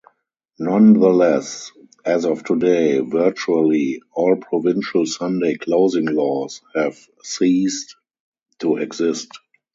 Nonetheless, as of today, virtually all provincial Sunday Closing laws have ceased to exist.